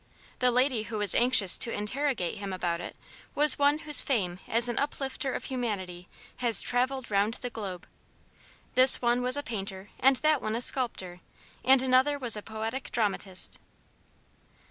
The lady who was anxious to interrogate him about it was one whose fame as an uplifter of humanity has travelled 'round the globe. This one was a painter, and that one a sculptor, and another was a poetic dramatist.